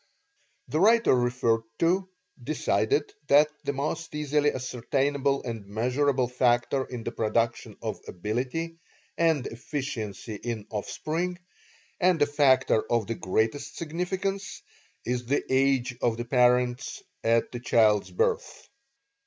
The writer referred to decided that the most easily ascertainable and measurable factor in the production of ability, and efficiency in offspring, and a factor of the greatest significance, is the age of the parents at the child's birth.